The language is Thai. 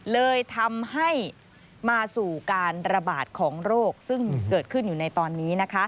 เลยทำให้มาสู่การระบาดของโรคซึ่งเกิดขึ้นอยู่ในตอนนี้